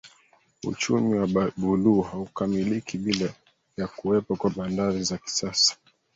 uchumi wa Buluu haukamiliki bila ya kuwepo kwa Bandari za kisasa